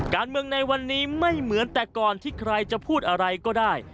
การเมืองในวันนี้ไม่เหมือนแต่ก่อนที่ใครจะพูดอะไรก็ได้